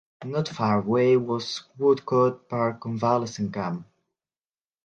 Not far away was Woodcote Park Convalescent Camp.